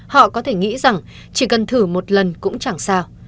họ có thể nghĩ rằng chỉ cần thử một lần cũng chẳng xa